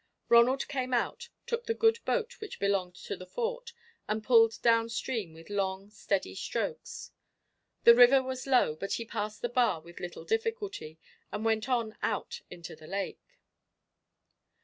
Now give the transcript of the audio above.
Ronald came out, took the good boat which belonged to the Fort, and pulled down stream with long, steady strokes. The river was low, but he passed the bar with little difficulty and went on out into the lake.